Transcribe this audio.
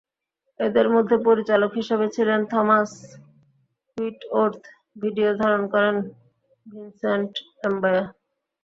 এঁদের মধ্যে পরিচালক হিসেবে ছিলেন থমাস হুইটওর্থ, ভিডিও ধারণ করেন ভিনসেন্ট এমবায়া।